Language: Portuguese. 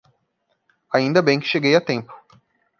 Ainda bem que cheguei a tempo.